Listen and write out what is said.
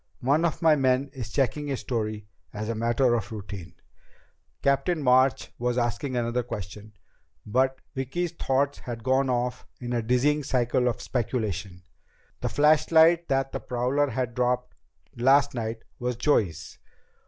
One of my men is checking his story as a matter of routine." Captain March was asking another question, but Vicki's thoughts had gone off in a dizzying cycle of speculation. The flashlight that the prowler had dropped last night was Joey's!